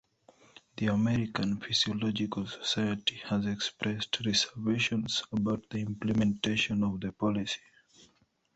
The American Physiological Society has expressed reservations about the implementation of the policy.